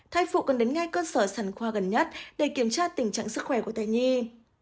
thai phụ cần đến ngay cơ sở sản khoa gần nhất để kiểm tra tình trạng sức khỏe của thai nhi